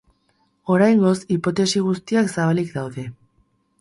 Oraingoz, hipotesi guztiak zabalik daude.